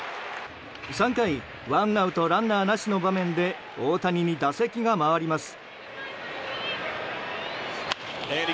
３回、ワンアウトランナーなしの場面で大谷に打席が回ります。